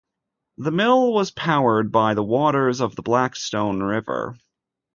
This mill was powered by the waters of the Blackstone River.